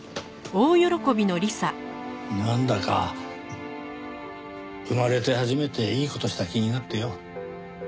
なんだか生まれて初めていい事した気になってよ。